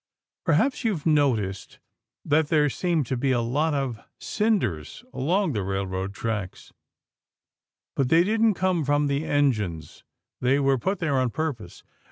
Perhaps you've noticed that there seem to be a lot of cinders along railroad tracks. But they didn't come from the engines. They were put there on purpose.